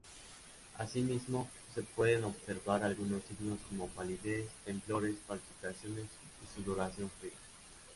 Asimismo, se pueden observar algunos signos como palidez, temblores, palpitaciones y sudoración "fría".